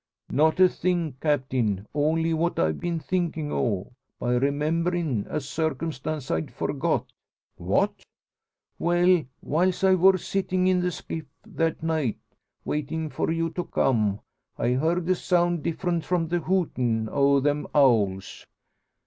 "Not a thing, Captain. Only what I've been thinkin' o' by rememberin' a circumstance I'd forgot." "What?" "Well; whiles I wor sittin' in the skiff that night, waitin' for you to come, I heerd a sound different from the hootin' o' them owls."